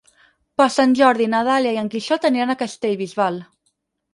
Per Sant Jordi na Dàlia i en Quixot aniran a Castellbisbal.